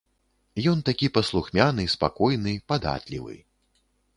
Ён такі паслухмяны, спакойны, падатлівы.